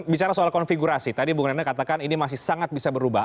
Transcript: bicara soal konfigurasi tadi bung rena katakan ini masih sangat bisa berubah